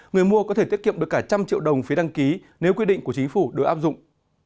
người mua có thể tiết kiệm được cả trăm triệu đồng phí đăng ký nếu quy định của chính phủ được áp dụng